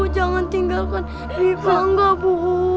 jangan tinggalkan di pangga bu